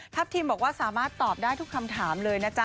ทีมบอกว่าสามารถตอบได้ทุกคำถามเลยนะจ๊ะ